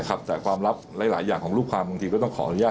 แต่ความลับหลายอย่างของลูกความบางทีก็ต้องขออนุญาต